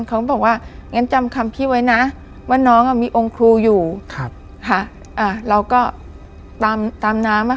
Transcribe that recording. เขาก็บอกว่างั้นจำคำพี่ไว้นะ